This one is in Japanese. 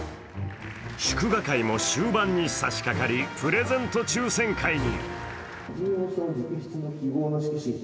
祝賀会も終盤に差しかかりプレゼント抽選会に。